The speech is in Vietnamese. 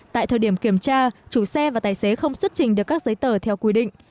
tại thời điểm kiểm tra chủ xe và tài xế không xuất trình được các giấy tờ theo quy định